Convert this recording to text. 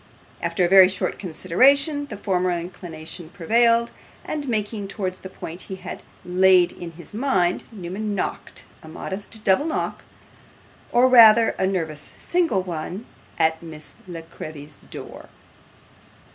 After a very short consideration, the former inclination prevailed, and making towards the point he had had in his mind, Newman knocked a modest double knock, or rather a nervous single one, at Miss La Creevy's door.